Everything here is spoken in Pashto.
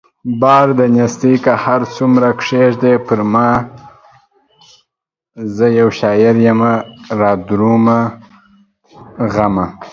بار د نيستۍ که هر څو کښېږدې پرما زه يو شاعر يمه رادرومه غمه